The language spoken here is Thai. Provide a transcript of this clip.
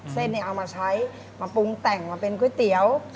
เอามาใช้มาปรุงแต่งมาเป็นก๋วยเตี๋ยว